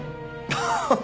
ハハハッ！